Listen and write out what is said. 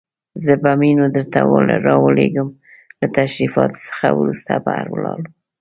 زه به منیو درته راولېږم، له تشریفاتو څخه وروسته بهر ولاړ.